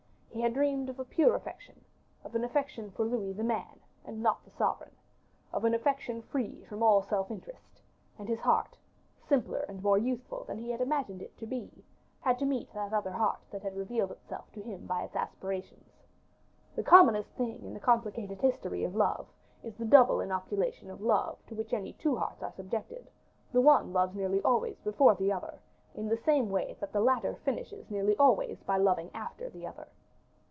He had dreamed of a pure affection of an affection for Louis the man, and not the sovereign of an affection free from all self interest; and his heart, simpler and more youthful than he had imagined it to be, had to meet that other heart that had revealed itself to him by its aspirations. The commonest thing in the complicated history of love, is the double inoculation of love to which any two hearts are subjected; the one loves nearly always before the other, in the same way that the latter finishes nearly always by loving after the other.